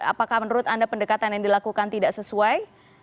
apakah menurut anda pendekatan yang dilakukan tidak sesuai